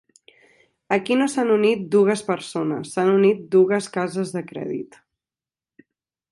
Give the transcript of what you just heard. Aquí no s'han unit dugues persones, s'han unit dugues cases de crèdit